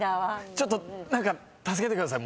ちょっと何か助けてください